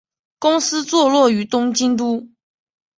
公司坐落于东京都。